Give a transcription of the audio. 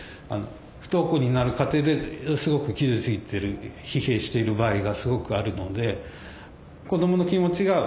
不登校になる過程ですごく傷ついてる疲弊している場合がすごくあるので。